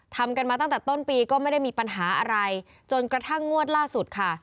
ทำกันมาตั้งแต่ต้นปีก็ไม่ได้มีปัญหาอะไรจนกระทั่งงวดล่าสุดค่ะ